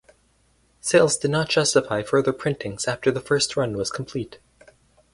Sales did not justify further printings after the first run was complete.